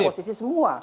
di mana posisi semua